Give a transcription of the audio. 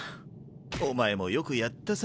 お前もよくやったさ。